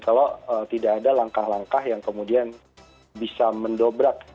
kalau tidak ada langkah langkah yang kemudian bisa mendobrak